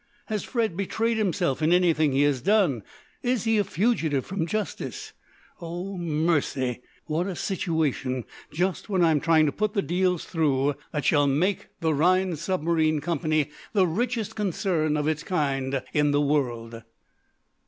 "Has Fred betrayed himself in anything he has done? Is he a fugitive from justice? Oh, mercy! What a situation just when I am trying to put the deals through that shall make the Rhinds Submarine Company the richest concern of its kind in the world!"